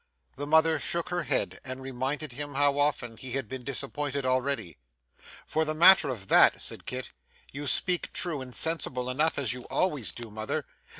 The mother shook her head, and reminded him how often he had been disappointed already. 'For the matter of that,' said Kit, 'you speak true and sensible enough, as you always do, mother.